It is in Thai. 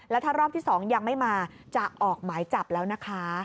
แล้วถ้ารอบที่๒ยังไม่มาจะออกหมายจับแล้วนะคะ